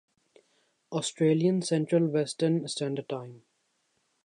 Australian central western standard time